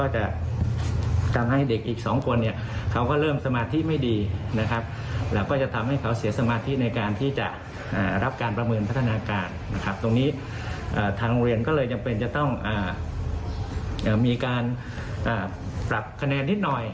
จะต้องมีการปรับคะแนนนิดหน่อย